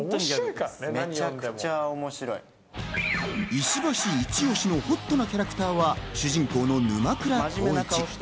石橋いち推しのほっとなキャラクターは主人公の沼倉孝一。